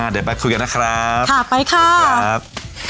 เดี๋ยวไปคุยกันนะครับค่ะไปค่ะครับ